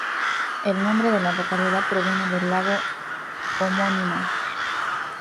El nombre de la localidad proviene del lago homónimo.